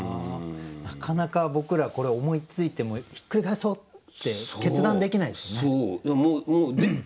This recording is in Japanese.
なかなか僕らこれ思いついてもひっくり返そうって決断できないですよね。